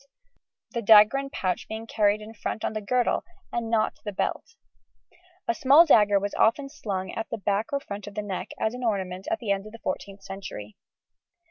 94), the dagger and pouch being carried in front on the girdle, and not the belt. A small dagger was often slung at the back or front of the neck, as an ornament at the end of the 14th century. [Illustration: FIG. 18. Fourteenth century.